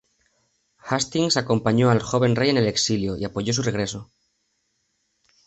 Hastings acompañó al joven rey en el exilio y apoyó su regreso.